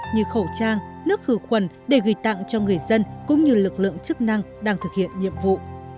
như khẩu trang nước khử khuẩn để gửi tặng cho người dân cũng như lực lượng chức năng đang thực hiện nhiệm vụ